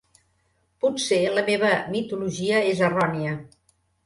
Potser la meva mitologia és errònia.